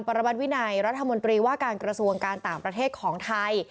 รมัติวินัยรัฐมนตรีว่าการกระทรวงการต่างประเทศของไทย